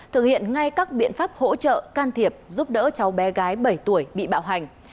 thực hiện ngay các biện pháp hỗ trợ can thiệp giúp đỡ cháu bé gái bảy tuổi bị bạo hành